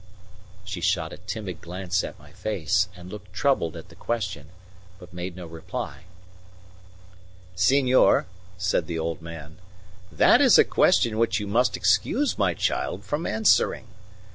She shot a timid glance at my face and looked troubled at the question, but made no reply. "Senor," said the old man, "that is a question which you must excuse my child from answering.